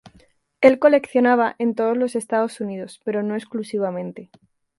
El coleccionaba en todos los Estados Unidos, pero no exclusivamente.